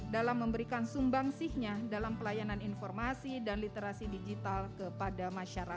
dalam memberikan sumbang sihnya dalam pelayanan informasi dan literasi digital kepada masyarakat